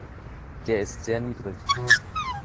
Der ist sehr niedrig.